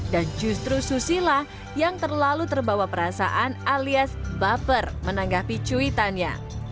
dan justru susilah yang terlalu terbawa perasaan alias baper menanggapi cuitannya